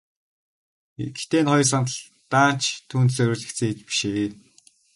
Гэхдээ энэ хоёр сандал даанч түүнд зориулагдсан эд биш ээ.